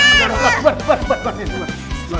dibuat bubuk bubuk bubuk